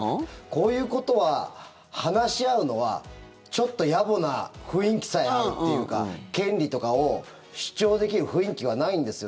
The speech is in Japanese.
こういうことは話し合うのはちょっと野暮な雰囲気さえあるっていうか権利とかを主張できる雰囲気はないんですよ。